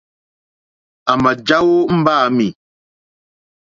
À mà jàwó mbáǃámì.